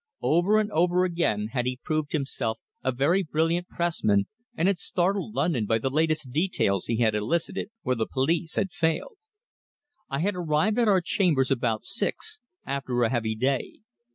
Over and over again had he proved himself a very brilliant pressman and had startled London by the "latest details" he had elicited where the police had failed. I had arrived at our chambers about six, after a heavy day.